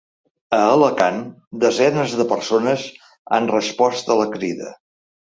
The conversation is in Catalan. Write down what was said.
A Alacant, desenes de persones han respost a la crida.